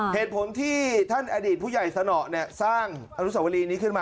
เหตุผลที่ท่านอดีตผู้ใหญ่สนอสร้างอนุสวรีนี้ขึ้นมา